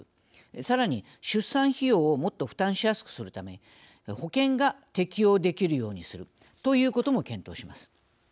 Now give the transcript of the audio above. さらに、出産費用をもっと負担しやすくするため保険が適用できるようにするということも検討します。